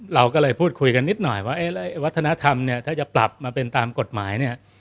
เราก็เลยพูดคุยกันนิดหน่อยว่าวัฒนธรรมเนี่ยถ้าจะปรับมาเป็นตามกฎหมายเนี่ย